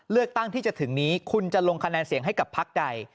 เลือกตั้งที่จะถึงนี้คุณจะลงคะแนนเสียงให้กับพักใด